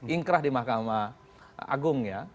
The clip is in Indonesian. ingkrah di mahkamah agung ya